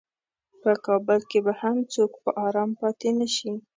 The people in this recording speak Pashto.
په کابل کې به هم څوک په ارام پاتې نشي.